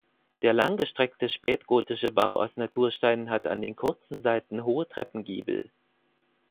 Der langgestreckte spätgotische Bau aus Natursteinen hat an den kurzen Seiten hohe Treppengiebel.